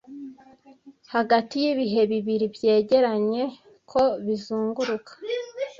Hagati y'ibihe bibiri byegeranye, ko bizunguruka